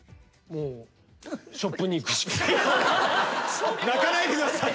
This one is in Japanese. もうショップに行くしかない。